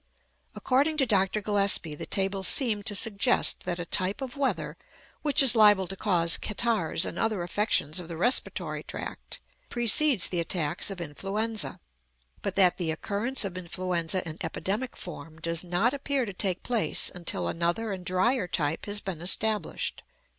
According to Dr. Gillespie, the tables seem to suggest that a type of weather, which is liable to cause catarrhs and other affections of the respiratory tract, precedes the attacks of influenza; but that the occurrence of influenza in epidemic form does not appear to take place until another and drier type has been established.